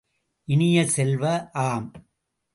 இனிய செல்வ, ஆம்!